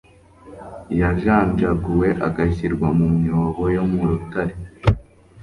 yajanjaguwe agashyirwa mu myobo yo mu rutare